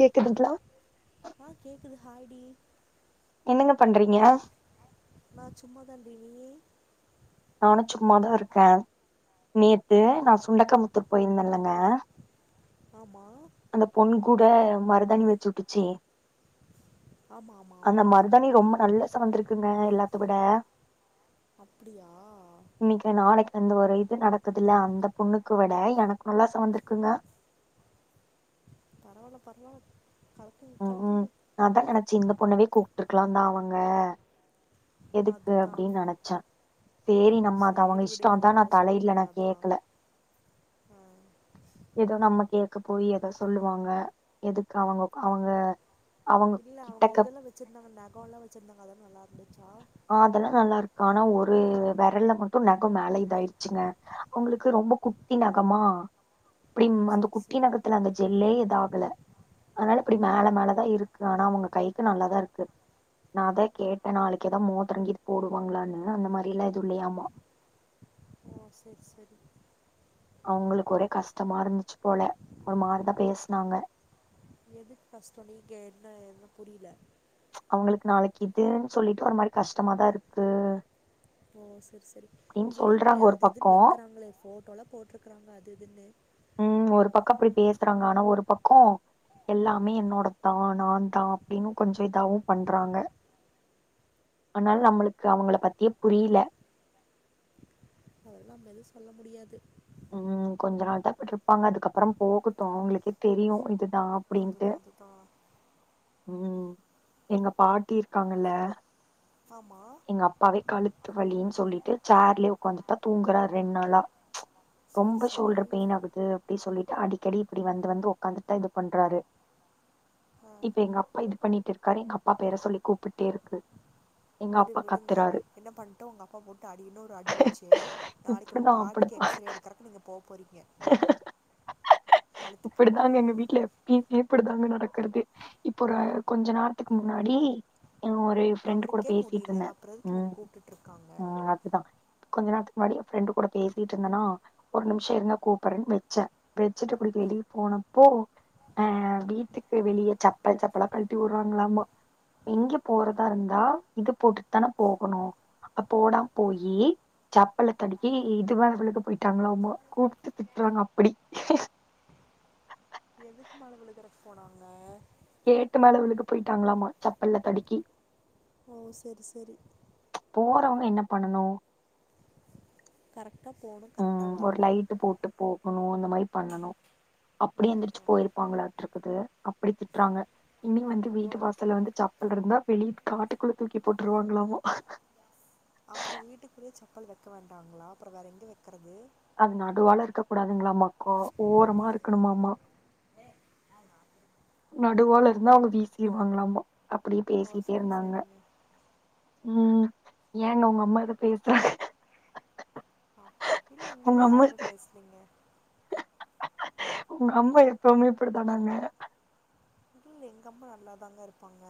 கேக்குதுங்களா ஆ கேக்குது ஹாய் டி என்னங்க பண்றீங்க நா சும்மா தாண்டி நீயி நானும் சும்மாதா இருக்கே நேத்து நா சுண்டக்கமுத்தூர் போயிருந்தேலங்க ஆமா அந்த பொண்ணு கூட மருதாணி வச்சு வுட்டுச்சே ஆமாம் ஆமாம் அந்த ஆமாம் மருதாணி ரொம்ப நல்ல செவந்திருக்குங்க எல்லாத்த விட அப்டியா இன்னிக்கா நாளைக்கு அந்த ஒரு நடக்குது இல்ல அந்த பொண்ணுக்கு விட எனக்கு நல்லா செவந்திருக்குங்க பரவால்ல பரவால்ல கலக்குங்க ம் ம் கலக்குங்க நா அதா நெனச்சு இந்த பொண்ணவே கூப்டுருக்கலா தா அவுங்க எதுக்கு அதுதான் அப்டின்னு நெனச்சே சேரி நம்ம அத சரி அவுங்க இஷ்டோ விடுங்க இது அதா நா நம்மளால சொல்ல தலையிடல முடியாது நா அதான் கேக்கல ஆ எதோ நம்ம கேக்க போய் எதோ சொல்லுவாங்க எதுக்கு அவுங்க க அவுங்க இல்ல அவுங்க இதெல்லா வச்சிருந்தாங்க நெகோ ல்லா வச்சிருந்தாங்க அதெல்லா நல்லா இருந்துச்சா அ அதெல்லா நல்லா இருக்கு ஆனா ஒரு வெரல்ல மட்டு நெகோ மேல இதாயிருச்சுங்க அவுங்களுக்கு ரொம்ப குட்டி நெகமா அப்டி ஓ அந்த சரி குட்டி சரி நெகத்துல அந்த ஜெல்லே இதாகல அதனால இப்டி மேல மேலதா இருக்கு ஆனா அவுங்க கைக்கு நல்லாதா இருக்கு நா அதா கேட்டே நாளைக்கி எதா மோதரோகிது போடுவாங்களான்னு அந்த மாரி எல்லா எது இல்லையாமா ஓ செரி செரி அவுங்களுக்கு ஒரே கஷ்டமா இருந்துச்சு போல ஒரு மாரிதா பேசுனாங்க எதுக்கு கஷ்டோ நீங்க என்ன என்ன புரில அவுங்களுக்கு நாளைக்கி இதுன்னு சொல்லிட்டு ஒரு மாரி கஷ்டமாதா இருக்கு ஓ செரி செரி அப்டின்னு இல்லைங்களே சொல்றாங்க ஒரு அது இதுன்னு பக்கோ வக்கிறாங்களே ஃபோட்டோலா போட்ருக்குறாங்க அது இதுன்னு ம் ஒரு பக்க அப்டி பேசுறாங்க ஆனா ஒரு பக்கோ எல்லாமே என்னோட தா நா தா அப்டின்னு கொஞ்ச இதாவு பண்றாங்க ஆனாலு நம்ளுக்கு அவுங்கள பத்தியே புரில அதெல்லா நம்ம எது சொல்ல முடியாது ம் கொஞ்ச நாள் தா இப்டி இருப்பாங்க அதுக்கப்பறம் போகட்டு அவுங்களுக்கே தெரியு இது தா அப்டின்ட்டு அதுதான் அதுதான் ம் எங்க பாட்டி இருக்காங்கல்ல ஆமா எங்க அப்பாவே கழுத்து வலின்னு சொல்லிட்டு சேர்லயே உக்காந்து தா தூங்குறாரு ரெண் நாளா சரி ரொம்ப சரி ஷோல்டர் பெயின் ஆகுது அப்டின்னு சொல்லிட்டு அடிக்கடி இப்டி வந்து வந்து ஒக்க்காந்துட்டு தா இது பண்றாரு ஆ இப்ப எங்க அப்பா இது பண்ணிட்டு இருக்காரு எங்க அப்பா பேர சொல்லி கூப்பிட்டே இருக்கு எங்க விடு அப்பா விடுங்க கத்துறாரு என்ன பண்ணட்டோ உங்க அப்பா போட்டு அடின்னு ஒரு அடி வெச்சு நாளிக்கி உன் இப்படிதான் பாட்டுக்கு அப்படிதான் எக்ஸ்ரே எடு கரெக்ட் நீங்க போ போறீங்க இப்பிடிதாங்க எங்க வீட்ல ப்‌டி தாங்க நடக்கிறதே இப்போ ஒரு கொஞ்ச நேரத்துக்கு முன்னாடி ஒரு ஃபிரெண்ட்டு கூட அவருக்கே பேசிட்டு முடியல இருந்தே அப்புறம் எதுக்கு இவங்க கூப்பிட்டுட்ருக்காங்க ஆ தா கொஞ்ச நேரத்துக்கு முன்னாடி ஏ ஃப்ரெண்டு் கூட பேசிட்டு இருந்தேன்னா ஒரு நிமிஷ இருங்க கூப்புரனு வெச்சே வெச்சிட்டு இப்டி வெளிய போனப்போ ஆ வீட்டுக்கு வெளியே செப்பல் செப்பலா கழுட்டி விட்றாங்களாமா எங்க போறதா இருந்தா இது போட்டு தானே போகணு ஆ போடாம போயி செப்பல்ல தடுக்கி இதுவ மேல போயிட்டாங்களா கூப்டு திட்டுறாங்க அப்டி எதுக்கு மேல விழுக்குறக்கு போனாங்க கேட்டு மேல விழுக போய்ட்டாங்களாமா செப்பல்ல தடுக்கி ஓ செரி செரி போறவங்க என்ன பண்ணனு கரெக்டா போணு ம் ஒரு லைட் போட்டு போகணு அந்த மாரி பண்ணனு அப்டி எந்திரிச்சு அதுதான் போயிரு பப்பாங்களா இருக்குது அப்டி திட்றாங்க இன்னி வந்து ஓ வீட்டு வாசல வந்து செப்பல் இருந்தா வெளிய காட்டுக்குள்ள தூக்கி போட்டுருவாங்களாமா அப்றோ வீட்டுக்குள்ளே செப்பல் வைக்க வேண்டாங்களா அப்றோ வேற எங்க வைக்கறது அது நடுவால இருக்க கூடாதுங்களாமா ஓரமா இருக்கணுமா நடுவால இருந்தா அவங்க வீசிருவாங்களாமா அப்டியே ஓ பேசிட்டே சரி இருந்தாங்க சரிங்க ம் ஏங்க உங்க அம்மா எது பேச இல்ல இங்கல்லா யாருமே பேசலிங்க உங்க அம்மா எப்பவுமே இப்டி தானாங்க இல்ல எங்கம்மா நல்லாதாங்க இருப்பாங்க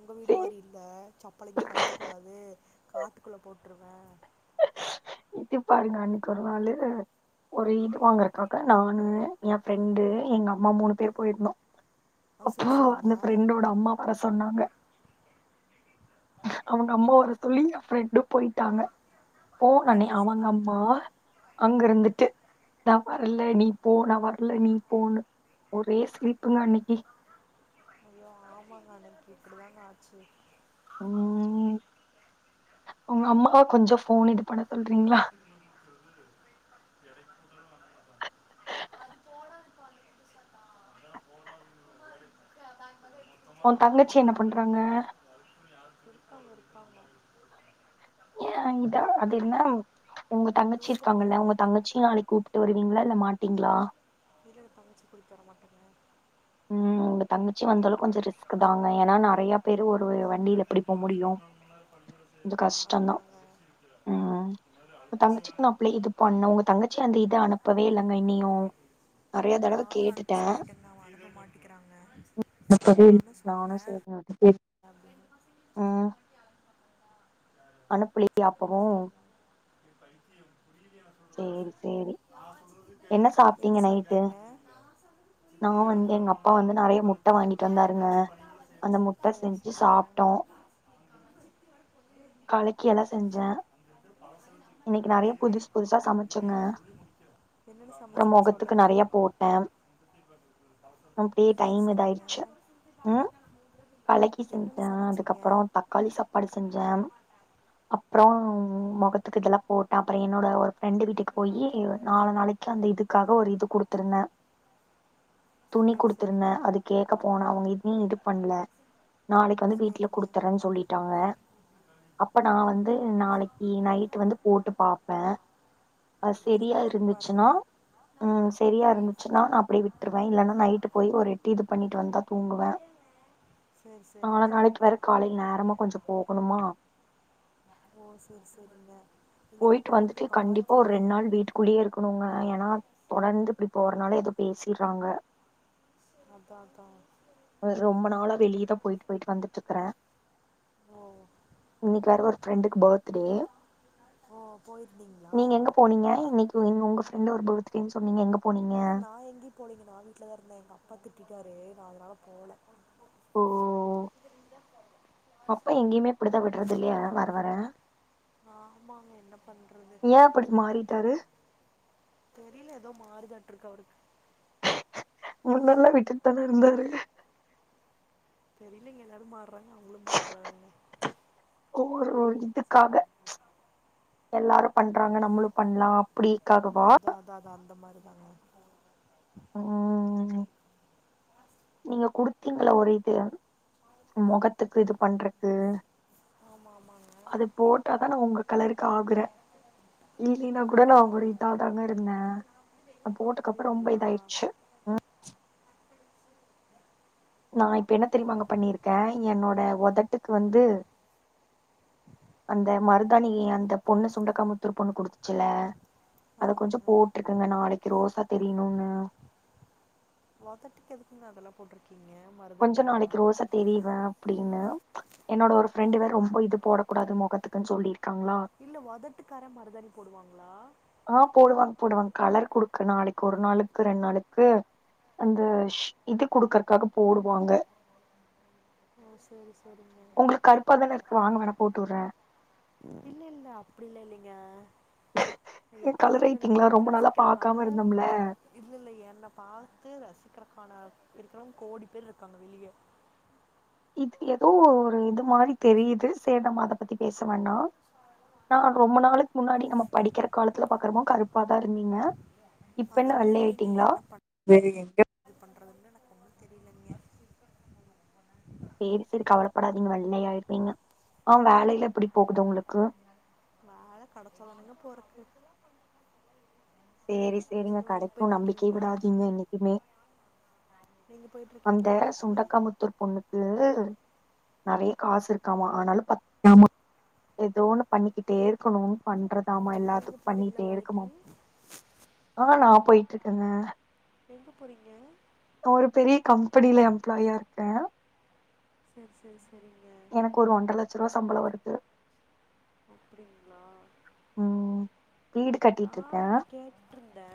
உங்க வீடு சே மாரி இல்ல செப்பள இங்க கழட்ட கூடாது காட்டுக்குள்ள போட்டுருவே தத்தி பாருங்க அன்னிக்கி ஒரு நாளு ஒரு இது வாங்குதுக்காக நானு ஏ ஃப்ரெண்டு எங்க அம்மா மூணு பேரு போயிருந்தோ ஆ அப்போ செரி செரிங்க இந்த ஃபிரண்டோட அம்மா வர சொன்னாங்க அவங்க அம்மா வர சொல்லி ஏ ஃப்ரெண்டு போயிட்டாங்க போ பண்ணி செரி அவங்க செரிங்க அம்மா அங்க இருந்துட்டு நா வரல நீ போ நான வரல நீ போன்னு ஒரே சிரிப்புங்க அன்னிக்கி ஐய்யோ ஆமாங்க அன்னிக்கி இப்டிதாங்க ஆச்சு ம் உங்க அம்மா [inaudible] அது போடதுப்ப [inaudible] ப வ ஊ தங்கச்சி என்ன பண்றாங்க இருக்கா இருக்காங்க இதா அது இருந்தா உங்க தங்கச்சி தூங்க இருக்காங்கல்ல போறாங்க உங்க தங்கச்சிய நாளைக் கூப்பி ட்டு வருவீங்களா இல்ல மாட்டிங்களா இல்லல்ல தங்கச்சியா கூட்டிட்டு வர மாட்டேங்க ம் உங்க தங்கிச்சி வந்தாலு கொஞ்ச ரிஸ்க் தாங்க ஏன்னா நெறையா அதுதாங்க உ தங்கச்சிக்கு நா அப்ளே இது பண்ணு உங்க தங்கச்சி அந்த இத அனுப்பவே இல்லங்க இனி அப்றோ நறைய தடவ கேட்டுட்டே அவுங்க அனுப்ப மாட்டிக்கிறாங்க அனுப்பவே இல்ல நானு சொன்னே சேரின்னு விட்டுட்டே அனுப்புலயா அப்பவு [unintelligible] சேரி சேரி என்ன சாப்ட்டீங்க நைட்டு சாப்ட்டீங்க நா வந்து எங்க அப்பா வந்து நெறைய முட்ட வாங்கிட்டு வந்தாருங்க அந்த முட்ட சேரி செஞ்சு சேரி சாப்ட்டோ ஆ காலைக்கு என்ன செஞ்ச இது இது புதுசா இது சமைச்சேங்க இது சொல்லி முடிக்கிது என்னென்ன அப்றோ சமைச்சிங்க மொகத்துக்கு சொல்லுங்க நெறைய போட்டே அப்டியே செர் டைம் செரிங்க இதாயிடுச்சு ம் கலக்கி என்னங்க செஞ்சே சமைச்சிங்க அதுக்கப்றோ தக்காளி சாப்பாடு செஞ்சே அப்புற முகத்துக்கு இதெல்லா போட்டே அப்புற என்னோட ஒர் ஃப்ரெண்டு வீட்டுக்கு போய் நாலு நாளைக்கு அந்த இதுக்காக ஒரு இது குடுத்துருந்தே துணி சரி குடுத்துருந்தே சரிங்க அது கேக்க போன அவ வீட்லயு இது பண்ணல நாளைக்கு வந்து வீட்ல சரிங்க குடுத்தறே சொல்லி ட்டாங்க அப்ப நா வந்து நாளைக்கு நைட் வந்து போட்டு பாப்பே அது சரி செரியா போட்டு பாருங்க இருந்துச்சுன்னா ம் சரியா இருந்துச்சுன்னா நா அப்டியே விட்டுருவே இல்லன்னா நைட்டு போய் ஒரு எட்டு இது பண்ணிட்டு வந்தா தூங்குவே செர் செரி நாள நாளைக்கு வேற காலைல நேரமா கொஞ்ச போகணுமா ஓ செரி செரிங்க போயிட்டு வந்துட்டு கண்டிப்பா ஒரு ரெண்டு நாள் வீட்டு குள்ளயே இருக்கணுங்க ஏன்னா தொடர்ந்து இப்டி போறனால எதோ பேசிறாங்க அதா அதா ரொம்ப நாளா வெளியதா போயிட்டு போயிட்டு வந்துட்டு இருக்கறே ஓ இன்னைக்கு வேற ஒரு ஃப்ரெண்டுக்கு பர்த்டே ஓ போயிருந்தீங் நீங்க எங்க போனீங்க இன்னைக்குங் உங்க ஃப்ரெண்டோட பர்த்டேன்னு சொன்னீங்க எங்க போனீங்க இல்ல நா எங்கேயு போலீங்க நா வீட்டல தா இருந்தங்க எங்க அப்பா திட்டிட்டாரு நா அதனால போல ஓ அப்பா எங்கேயுமே இப்டிதா விட்றது இல்லையா வர வர ஆமாங்க என்ன பண்றது ஏ அப்டி மாறிட்டாரு தெரில எதோ மாறுதாட்டு இருக்கு அவருக்கு முன்னல்லா விட்டுட்டு தான இருந்தாரு தெரிலைங்க எல்லாரு மாறாங்க அவுங்களு மாறாங்க கோ ஒரு இதுக்காக எல்லாரு பண்றாங்க நம்மளு பண்லா அப்டிக்காக அதா அதா அதா அந்த மாரி தாங்க ம் நீங்க குடுத்தீங்கள ஒரு இது மொகத்துக்கு இது பண்றக்கு ஆமா ஆமாங்க அத போட்டாதா நா உங்க கலருக்கு ஆகரே இல்லினா கூட நா ஒரு அப்டிங்களா இதாதாங்க இருந்தே அது போட்டதுக்கப்றோ ரொம்ப அப்டிங்களா இதாயிருச்சு நா இப்ப என்ன தெரியுமாங்க பண்ணிருக்கே என்னோட உதட்டுக்கு வந்து அந்த மருதாணி அந்த பொண்ணு சுண்டக்காமுத்தூர் பொண்ணு குடுத்துச்சுல அத கொஞ்சோ ஆமாங்க போட்டுருக்கங்க நாளைக்கு ரோசா தெரியணுனு ஒதட்டுக்கு எதுக்குங்க அதல்லா போட்ருக்கீங்க மருதாணி கொஞ்ச எல்லா நாளைக்கு ரோஸ்ஸ தெரிவே அப்டின்னு என்னோட ஒரு ஃப்ரெண்டு வேற ரொம்ப இது போடக்கூடாது மொகத்துக்குன் சொல்லியிருக்காங்ளா இல்ல ஒதட்டுக்காரா மருதாணி போடுவாங்களா அ போடுவாங் போடுவாங் கலர் குடுக்க நாளைக்கு ஒரு நாளுக்கு ரெண் நாளுக்கு அந்த ஷ் இது குடுக்கறக்காக போடுவாங்க ஓ செரி செரிங்க உங்களுக்கு கருப்பா தானே இருக்கு வாங்க வேணா போட்டு விடுறே இல்ல இல்ல அப்டில்லா இல்லைங்க ஏ எப்டி கலர் வந்தாலு என்ன ஆயிட்டீங்களா பாத்து ரொம்ப நாளா ரசிக்கறக்கான பாக்காம இருந்தோம்ல இல்ல இல்ல என்னப் பாத்து ரசிக்கறக்கான இருக்கறவங் கோடி பேர் இருக்காங்க வெளிய இது எதோ ஒரு இது மாரி தெரியுது சேர் நம்ம அத பத்தி பேச வேணா நா ரொம்ப நாளுக்கு முன்னாடி நம்ம படிக்கிற காலத்துல பாக்குறப்போ கருப்பாதா இருந்தீங்க இப்பென்ன வெள்ளை ஆயிட்டிங்களா சரி எங்கது பண்றதுன்னு எனக்கு ஒன்னு தெரியலங்க சேரி சேரி கவலப்படாதீங்க வெள்ளை ஆயிருவீங்க அ வேலையிலா எப்டி போகுது உங்களுக்கு வேல கெடச்சா தானுங்க போறக்கு சேரி சேரிங்க நீங்க வேலைக்கு கெடைக்கு நம்பிக்கைய போயிட்ருக்கீங்களா விடாதீங்க என்னைக்குமே நீங்க அந்த போயிட்ருக்கீங்களா வேலைக்கு சுண்டக்காமுத்தூர் பொண்ணுக்கு நறைய காசு இருக்காமா அனால எதோ ஒன்னு பண்ணிக்கிட்டே இருக்கணு பண்றதாமா நீங்க எல்லாத்துக்கு போறீங்களா பண்ணிட்டே இருக்குமா வேலைக்கு அ நல்லா போயிட்டு இருக்குங்க எங்க போறீங்க நா ஒரு பெரிய கம்பெனில எம்ப்ளாயியா இருக்க செர் செர் செரிங்க எனக்கு ஒரு ஒன்ற லட்ச ருவா சம்பளோ வருது அப்டிங்களா ம் வீடு நா கட்டிட்டு இருக்கே இங்க கேட்டுருந்தே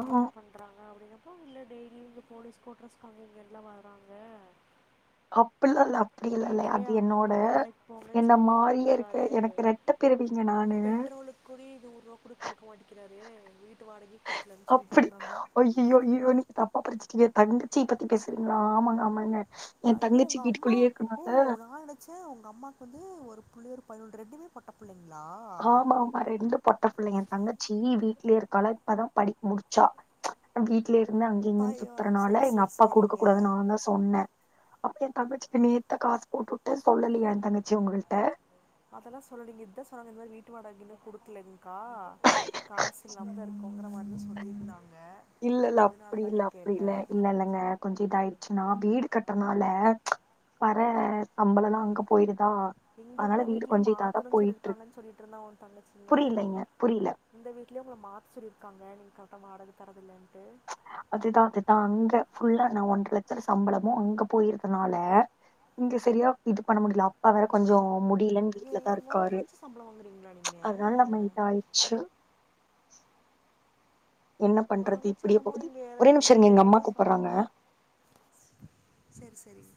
ஆ என்ன பண் றாங்க அப்டின்னப்போ இங்க டெய்லி இங்க போலீஸ் கோட்ரஸ்க்கு அங்க இங்கன்ல்லா வராங்க அப்பில்லா இல்ல அப்டியலா இல்ல அது அவங்க என்னோட அப்பா வேலைக்கு போங்கன்னு என்ன சொல்லி மாரியே இருக்க திட்டிட்ருக்காரு எனக்கு ரெட்டப் பிறவீங்க நானு குடி நூறுவா கூட குடுக்க மாட்டேக்கிறாரு வீட்டு வாடகையு குடுக்லன்னு சொல்லிட்டு இருந்தாங்க அய்யோ அய்யோ நீக தப்பா புரிச்சுட்டிங்க தங்கச்சிய பத்தி பேசுறீங்களா ஆமாங்க ஆமாங்க என் அய்யோ தங்கச்சி உங்க அம்மா வீட்டுக்குள்ளேயே ஓ இருக்கனால நா நென ச்சே உங்க அம்மாக்கு வந்து ஒரு பிள்ள ஒரு பயன் ஒன்னு ரெண்டுமே பொட்ட பிள்ளைங்களா ஆ ரெண்டு பொட்ட பிள்ளைங்க என் தங்கச்சி வீட்லே இருக்காலா இப்பதா படிப்பு முடிச்சா வீட் வீட்லே இருந்து அங்க இங்க பைய சுத்துறனால சேரி எங்க சேரி அப்பா குடுக்க சேரிங்க கூடாது நான்தா சொன்னே அப்பறோ என் தங்கச்சிக்கு நேத்துதா காசு போட்டு உட்டே சொல்லலயா என் தங்கச்சி உங்கள்ட்ட அதெல்லா சொல்லலீங்க இதா சொன்னங்க இந்த மாரி வீட்டு வாடக இன்னு குடுக்கலன்னு கா காசு இல்லாம இருக்கோங்கிற மாரி சொல்லியிருந்தாங்க இல்ல இல்ல அதனால அப்டி இல்ல தாங்க அப்டி கேட்ட இல்ல இல்ல இல்லங்க கொஞ்சோ இதாயிருச்சுன்னா வீடு கட்டுறனால வர சம்பளோல்லா அங்க போயிருதா எங்க இருக்க வீட்லேயே மாத்தணு சொல்லிருக்காங்கன்னு சொல்லிட்டு இருந்தா ஒன் தங்கச்சிங்க புரியலைங்க புரியல இந்த வீட்லே உங்கள மாத்த சொல்லியிருக்காங்க நீங்க கரெக்டாக வாடக தரதில்லன்ட்டு அதுதா அதுதா அங்க ஃபுல்லா நா ஒன்றர லட்ச சம்பளமு அங்க போயிருதுனால இங்க செரியா இது பண்ண முடில அப்பா வேற கொஞ்சோ முட் முடிலன்னு ஏ வீட்லதா ஏ ஒன்ற இருக்காரு லட்ச சம்பளோ வாங்குறீங்களா நீங்க அதனால நம்ம இதாயிடுச்சு என்ன உங்க பண்றது தங்கச்சி இப்டியே என்னமோ போகுது நீங்க ஒரே ஏழாயரத்தி நிமிஷோ ஐநூறுவா இருங்க எங்க எட்டாயருவா அம்மா தா கூப்பறாங்க சம்பளோ செரி செரி